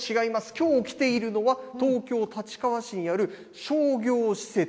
きょう来ているのは、東京・立川市にある商業施設。